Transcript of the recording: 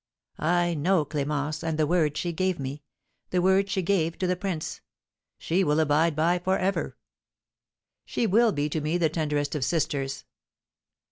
I know Clémence, and the word she gave me, the word she gave to the prince, she will abide by for ever. She will be to me the tenderest of sisters!